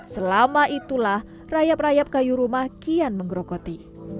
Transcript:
selama itulah rayap rayap kayu rumah kian menggerogoti